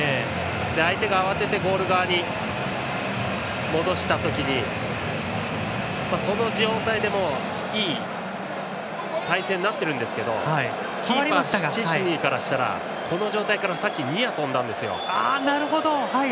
相手が慌ててゴール側に戻した時にその状態でもいい体勢になっているんですけどキーパーのシュチェスニーからしたらこの状態からさっきニアに飛んだんですよ。